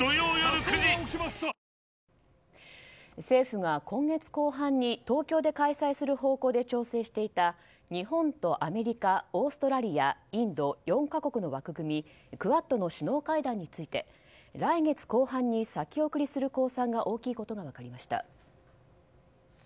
政府が今月後半に東京で開催する方向で調整していた日本とアメリカオーストラリアインド、４か国の枠組みクアッドの首脳会談について来月後半に先送りする公算が大きいことが分かりました。